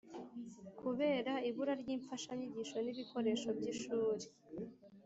kubera ibura ry'imfashanyigisho n'ibikoresho by'ishuri,